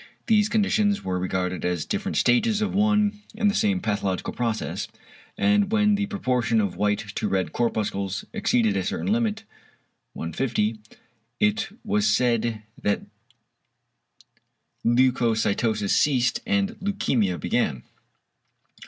These conditions were regarded as different stages of one and the same pathological process, and when the proportion of white to red corpuscles exceeded a certain limit (1:50) it was said that leucocytosis ceased, and leukæmia began.